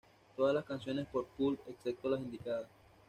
Todas las canciones por Pulp excepto las indicadas.